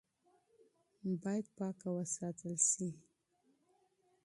باید پاکه وساتل شي.